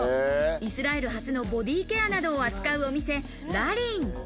イスラエル発のボディケアなどを扱うお店、Ｌａｌｉｎｅ。